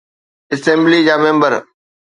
Assembly جا member.